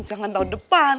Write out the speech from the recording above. jangan tahun depan